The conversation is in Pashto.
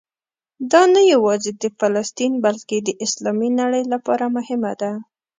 دا نه یوازې د فلسطین بلکې د اسلامي نړۍ لپاره مهمه ده.